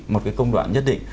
một cái công đoạn nhất định